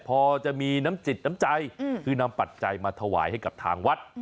พอจะมีน้ำจิตน้ำใจคือนำปัจจัยมาถวายให้กับทางวัด